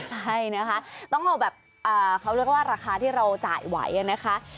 ใช่นะคะต้องเอาแบบเขาเรียกว่าราคาที่เราจ่ายไหวนะคะ